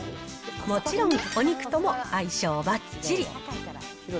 もちろんお肉とも相性ばっちり。